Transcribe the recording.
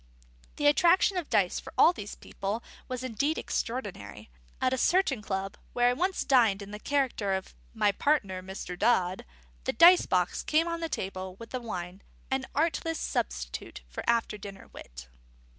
The attraction of dice for all these people was indeed extraordinary: at a certain club, where I once dined in the character of "my partner, Mr. Dodd," the dice box came on the table with the wine, an artless substitute for after dinner wit.